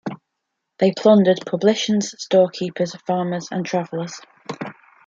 They plundered publicans, storekeepers, farmers and travelers.